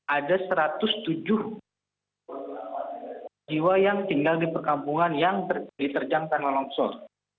ada satu ratus tujuh jiwa yang tinggal di perkampungan yang diterjang tanah longsor